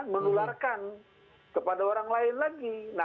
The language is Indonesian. menularkan kepada orang lain lagi